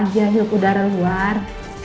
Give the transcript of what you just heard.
jahil kudara luar